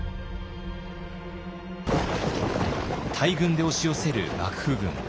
大軍で押し寄せる幕府軍。